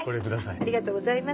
ありがとうございます。